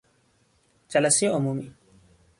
جلسهی عمومی